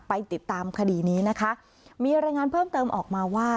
ไปติดตามคดีนี้นะคะมีรายงานเพิ่มเติมออกมาว่า